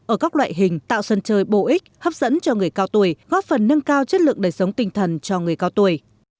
ở các loại hình tạo sân chơi bổ ích hấp dẫn cho người cao tuổi góp phần nâng cao chất lượng đời sống tinh thần cho người cao tuổi